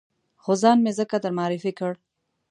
خو ځان مې ځکه در معرفي کړ.